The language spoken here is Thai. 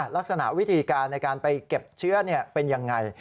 ลักษณะวิธีการในการไปเก็บเชื้อเป็นยังไง